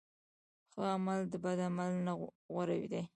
ښه عمل د بد عمل نه غوره دی.